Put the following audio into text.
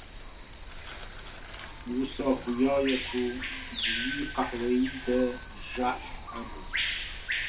Wisa xwiya ye ku di wî qehweyî de jahr hebû.